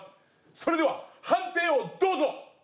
それでは判定をどうぞ！